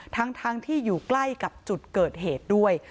ทั้งที่อยู่ใกล้กับจุดเกิดเหตุด้วย